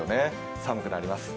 寒くなります。